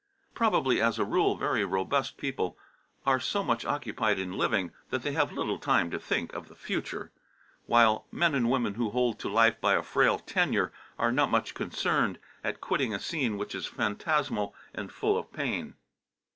Probably as a rule very robust people are so much occupied in living that they have little time to think of the future, while men and women who hold to life by a frail tenure are not much concerned at quitting a scene which is phantasmal and full of pain.